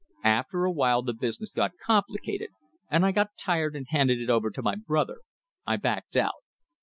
After a while the business got complicated, and I got tired and handed it over to my brother; I backed out.